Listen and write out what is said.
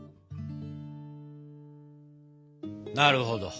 なるほど！